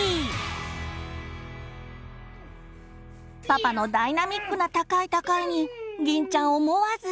パパのダイナミックな高い高いにぎんちゃん思わず！